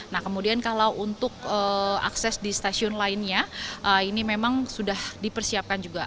nah kemudian kalau untuk akses di stasiun lainnya ini memang sudah dipersiapkan juga